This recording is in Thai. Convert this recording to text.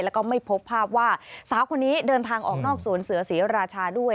แล้วก็ไม่พบภาพว่าสาวคนนี้เดินทางออกนอกสวนเสือศรีราชาด้วย